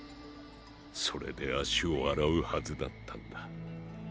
それで足を洗うはずだったんだ。